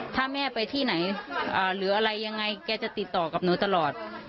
ถ้าแม่ไปที่ไหนหรืออะไรยังไงแกจะติดต่อกับหนูตลอด